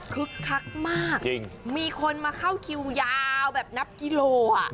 คึกคักมากมีคนมาเข้าคิวยาวแบบนับกิโล